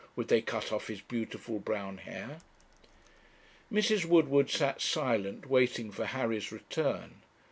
would they cut off his beautiful brown hair? Mrs. Woodward sat silent waiting for Harry's return.